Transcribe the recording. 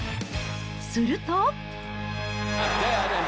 すると。